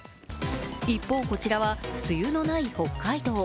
一方、こちらは梅雨のない北海道。